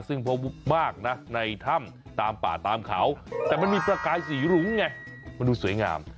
ซึ่งพบมากนะในถ้ำตามป่าตามเขาแต่มันมีประกายสีรุ้งไงมันดูสวยงาม